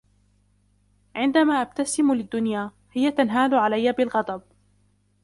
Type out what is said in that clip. عندم أبتسم للدنيا، هي تنهال عليّ بالغضب.